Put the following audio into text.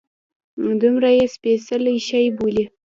دومره یې سپیڅلی شي بولي.